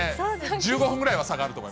１５分ぐらいは差があると思